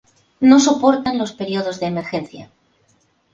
No soportan los periodos de emergencia.